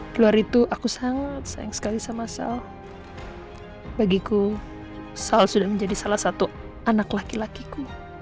keluar itu aku sangat sayang sekali sama sal bagiku sal sudah menjadi salah satu anak laki lakiku